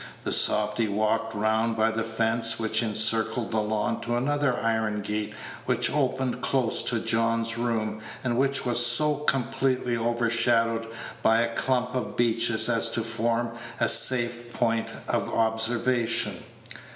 The softy walked round by the fence which encircled the lawn to another iron gate which opened close to John's room and which was so completely overshadowed by a clump of beeches as to form a safe point of observation.